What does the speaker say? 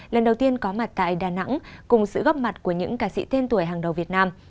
lần đầu tiên có mặt tại đà nẵng cùng sự góp mặt của những ca sĩ tên tuổi hàng đầu việt nam